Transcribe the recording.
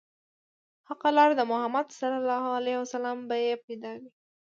حقه لار د محمد ص به يې پيدا وي